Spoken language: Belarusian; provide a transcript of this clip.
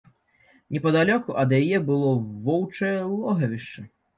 Непадалёку ад яе было воўчае логавішча.